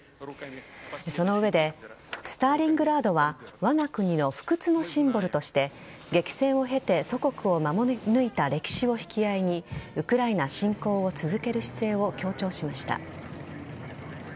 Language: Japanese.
その上で、スターリングラードはわが国の不屈のシンボルとして激戦を経て祖国を守り抜いた歴史を引き合いにウクライナ侵攻を続ける姿勢を強調しました。